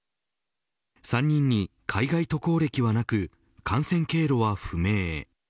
３人に海外渡航歴はなく感染経路は不明。